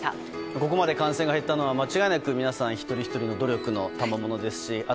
ここまで感染が減ったのは間違いなく皆さん一人ひとりの努力のたまものですし